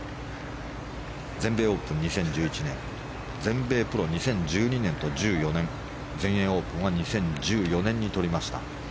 全米オープン、２０１１年全米プロ、２０１２年と１４年全英オープンは２０１４年に取りました。